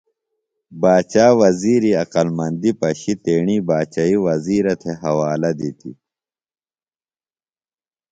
باچا وزِیری عقلمندیۡ پشیۡ تیݨی باچئیۡ وزِیرہ تھےۡ حوالہ دِتیۡ